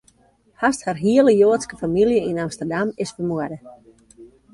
Hast har hiele Joadske famylje yn Amsterdam, is fermoarde.